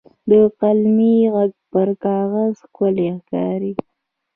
د قلمي ږغ پر کاغذ ښکلی ښکاري.